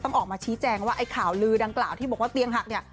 ออกมาชี้แจงว่าไอ้ข่าวลือดังกล่าวที่บอกว่าเตียงหักเนี่ย